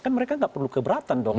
kan mereka nggak perlu keberatan dong